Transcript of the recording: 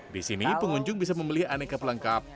di sini pengunjung bisa membeli aneka pelengkap